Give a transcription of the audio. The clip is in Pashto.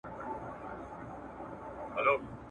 محمد بن إسحاق بن يسار رحمه الله فرمايلي دي.